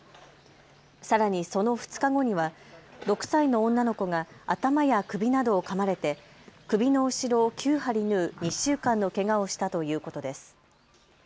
さらにその２日後には６歳の女の子が頭や首などをかまれて首の後ろを９針縫う２週間のけがをしたということです。